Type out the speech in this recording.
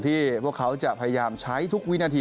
พวกเขาจะพยายามใช้ทุกวินาที